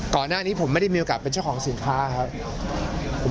ก่อนหน้านี้ผมไม่ได้มีโอกาสเป็นเจ้าของสินค้าครับ